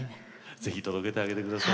ぜひ届けてあげてください。